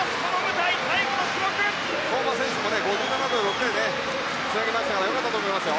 相馬選手もつなげましたからよかったと思いますよ。